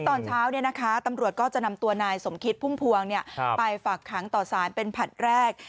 ตอนเช้าตำรวจก็จะนำตัวนายสมคิดพุ่มพวงไปฝากขังต่อสารเป็นผลัดแรก